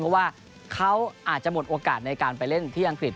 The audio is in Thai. เพราะว่าเขาอาจจะหมดโอกาสในการไปเล่นที่อังกฤษ